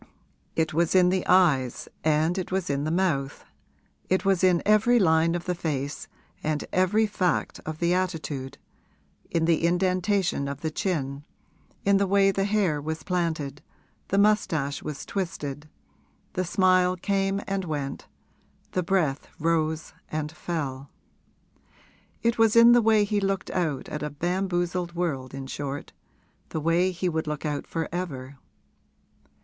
It was in the eyes and it was in the mouth, it was in every line of the face and every fact of the attitude, in the indentation of the chin, in the way the hair was planted, the moustache was twisted, the smile came and went, the breath rose and fell. It was in the way he looked out at a bamboozled world in short the way he would look out for ever.